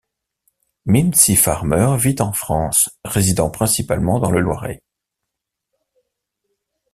Mimsy Farmer vit en France, résidant principalement dans le Loiret.